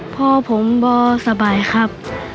พ่อผมบ่สบายครับ